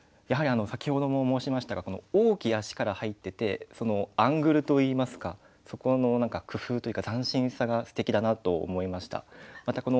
やはりあの先ほども申しましたが「おおき足」から入っててそのアングルといいますかそこの何か工夫というか斬新さがすてきだなと思いました。